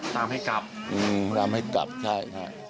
ตามให้กลับตามให้กลับใช่ใช่